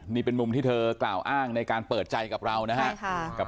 นี่เป็นมุมที่เธอกล่าวอ้างในการเปิดใจกับเรานะครับ